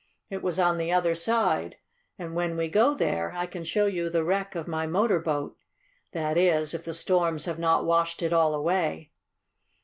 It was on the other side, and when we go there I can show you the wreck of my motor boat that is, if the storms have not washed it all away."